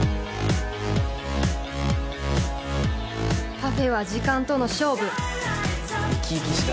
パフェは時間との勝負